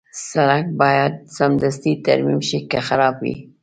سړک باید سمدستي ترمیم شي که خراب وي.